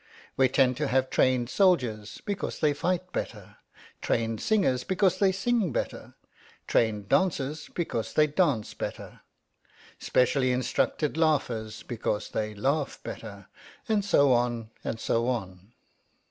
We tend to have trained soldiers because they fight better, trained singers because they sing better, trained dancers because they dance better, specially instructed laughers because they laugh better, and so on and so on.